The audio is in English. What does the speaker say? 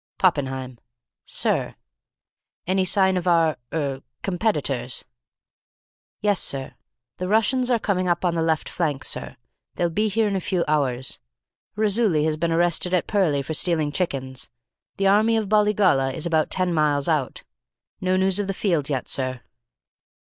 "Poppenheim." "Sir?" "Any signs of our er competitors?" "Yes, sir; the Russians are coming up on the left flank, sir. They'll be here in a few hours. Raisuli has been arrested at Purley for stealing chickens. The army of Bollygolla is about ten miles out. No news of the field yet, sir."